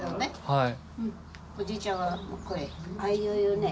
はい。